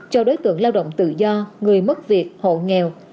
cho đối tượng lao động tự do người mất việc hộ nghèo